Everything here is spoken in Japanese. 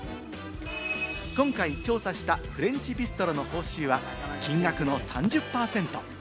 今回調査したフレンチビストロの報酬は金額の３０％。